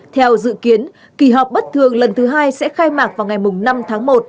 theo dự kiến kỳ họp bất thường lần thứ hai sẽ khai mạc vào ngày năm tháng một